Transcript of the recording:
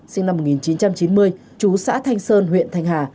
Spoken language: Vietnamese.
sinh năm một nghìn chín trăm chín mươi chú xã thanh sơn huyện thanh hà